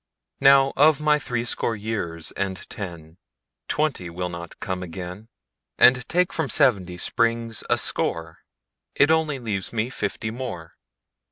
Now, of my threescore years and ten, Twenty will not come again, And take from seventy springs a score, It only leaves me fifty more.